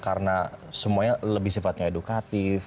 karena semuanya lebih sifatnya edukatif